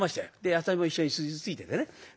私も一緒についててね。